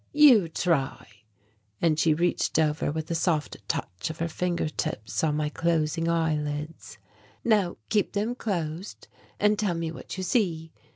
"You try," and she reached over with a soft touch of her finger tips on my closing eyelids. "Now keep them closed and tell me what you see.